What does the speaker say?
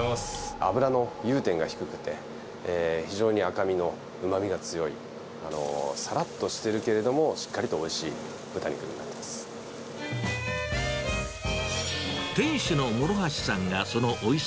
脂の融点が低くて、非常に赤身のうまみが強い、さらっとしてるけれども、しっかりとおいしい豚肉店主の諸橋さんがそのおいし